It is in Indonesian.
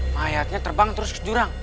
mayatnya terbang terus jurang